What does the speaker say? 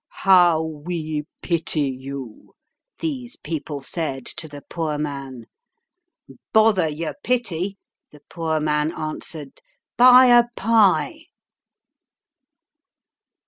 "How we pity you," these people said to the poor man. "Bother your pity," the poor man answered; "buy a pie."